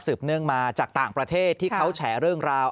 เนื่องมาจากต่างประเทศที่เขาแฉเรื่องราว